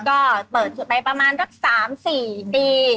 ก็เปิดสุดไปประมาณสัก๓๔ปี